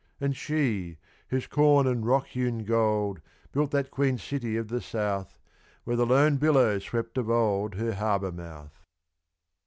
And she, whose corn and rock hewn gold Built that Queen City of the South, Where the lone billow swept of old Her harbour mouth.